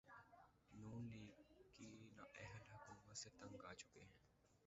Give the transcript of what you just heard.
نون League کی نااہل حکومت سے تنگ آچکے ہیں